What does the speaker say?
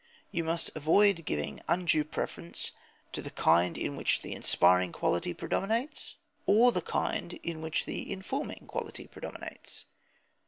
You must avoid giving undue preference to the kind in which the inspiring quality predominates or to the kind in which the informing quality predominates.